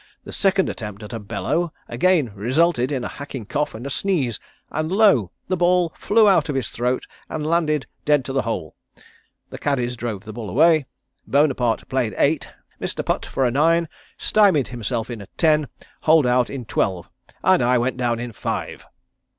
The second attempt at a bellow again resulted in a hacking cough and a sneeze, and lo the ball flew out of his throat and landed dead to the hole. The caddies drove the bull away. Bonaparte played eight, missed a putt for a nine, stymied himself in a ten, holed out in twelve and I went down in five."